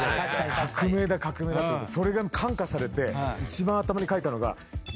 革命だ革命だってそれに感化されて一番頭に書いたのが。